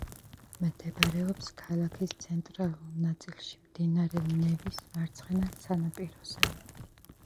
მდებარეობს ქალაქის ცენტრალურ ნაწილში, მდინარე ნევის მარცხენა სანაპიროზე.